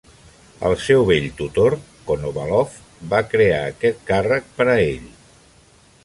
El seu vell tutor, Konovalov, va crear aquest càrrec per a ell.